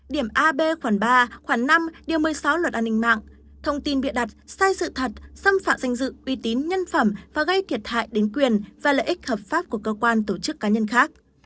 điểm a b khoảng ba khoảng năm điều một mươi sáu luật an ninh mạng thông tin bịa đặt sai sự thật xâm phạm danh dự uy tín nhân phẩm và gây thiệt hại đến quyền và lợi ích hợp pháp của cơ quan tổ chức cá nhân khác